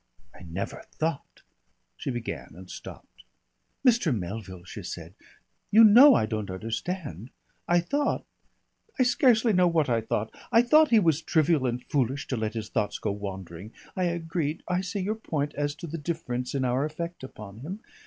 "I never thought " she began and stopped. "Mr. Melville," she said, "you know I don't understand. I thought I scarcely know what I thought. I thought he was trivial and foolish to let his thoughts go wandering. I agreed I see your point as to the difference in our effect upon him.